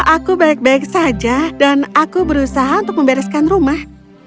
aku baik baik saja dan aku berusaha untuk membereskan rumah